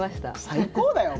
最高だよ。